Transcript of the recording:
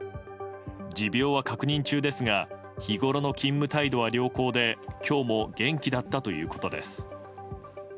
持病は確認中ですが日ごろの勤務態度は良好で今日も元気だったということです。